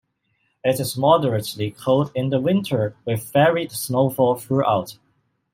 It is moderately cold in the winter with varied snowfall throughout.